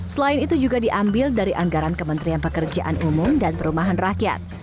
selain itu juga diambil dari anggaran kementerian pekerjaan umum dan perumahan rakyat